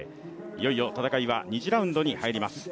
いよいよ戦いは２次ラウンドに入ります。